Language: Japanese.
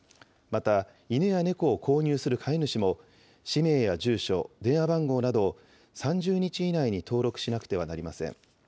また犬や猫を購入する飼い主も、氏名や住所、電話番号など、３０日以内に登録しなくてはなりません。